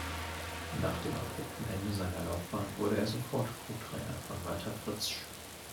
Nach dem abrupten Ende seiner Laufbahn wurde er sofort Co-Trainer von Walter Fritzsch.